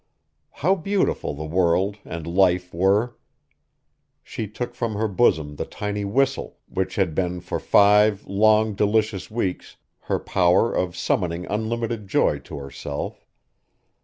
How beautiful the world and life were! She took from her bosom the tiny whistle, which had been for five long, delicious weeks her power of summoning unlimited joy to herself.